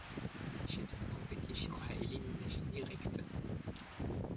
C'est une compétition à élimination directe.